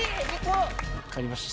わかりました。